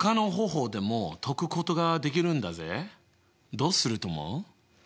どうすると思う？